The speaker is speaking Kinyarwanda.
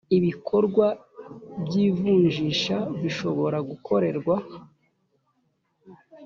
ibikorwa by ivunjisha bishobora gukorerwa